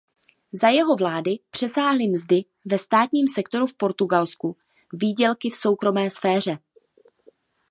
Za jeho vlády přesáhly mzdy ve státním sektoru v Portugalsku výdělky v soukromé sféře.